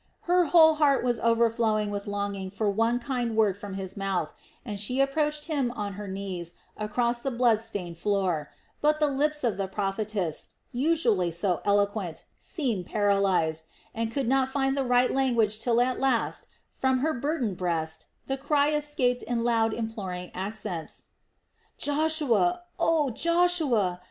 Her whole heart was overflowing with longing for one kind word from his mouth, and she approached him on her knees across the blood stained floor; but the lips of the prophetess, usually so eloquent, seemed paralyzed and could not find the right language till at last from her burdened breast the cry escaped in loud imploring accents: "Joshua, oh, Joshua!